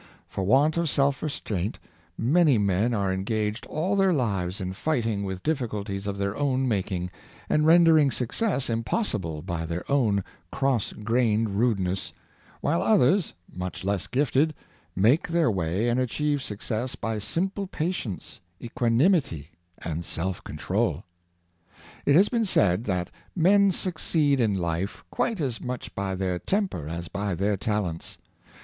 For want of self restraint many men are engaged all their lives in fighting with diffi culties of their own making, and rendering success im possible by their own cross grained rudeness, while others, much less gifted, make their way and achieve success by simple patience, equanimity and self control. It has been said that men succeed in life quite as much by their temper as by their talents.